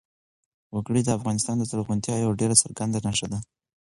وګړي د افغانستان د زرغونتیا یوه ډېره څرګنده نښه ده.